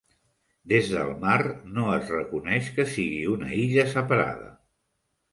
Des del mar, no es reconeix que sigui una illa separada.